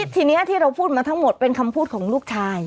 ทีนี้ที่เราพูดมาทั้งหมดเป็นคำพูดของลูกชาย